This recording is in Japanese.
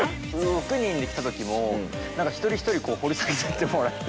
６人で来たときも、なんか一人一人、掘り下げてもらって。